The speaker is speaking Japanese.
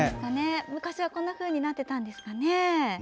昔はこんなふうになってたんですかね。